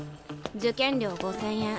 受験料５，０００円。